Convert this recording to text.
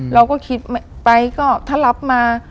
เราก็คิดไปก็ถ้ารับมา